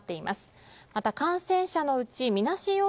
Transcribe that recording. また、感染者のうちみなし